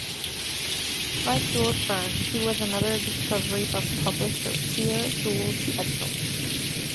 Like Jules Verne, he was another discovery of publisher Pierre-Jules Hetzel.